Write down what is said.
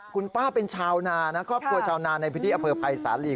คุณป้าเป็นชาวนานะครอบครัวชาวนาในพื้นที่อำเภอภัยสาลี